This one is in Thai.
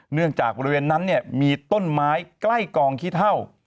เนื่องจากบริเวณนั้นมีต้นไม้ใกล้กองขี้เท่า